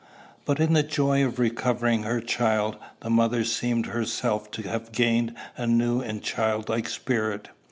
But in the joy of recovering her child, the mother seemed herself to have gained a new and childlike spirit.